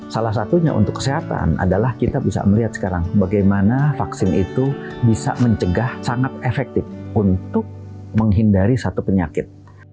salah satunya untuk kesehatan adalah kita bisa melihat sekarang bagaimana vaksin itu bisa mencegah sangat efektif untuk menghindari satu penyakit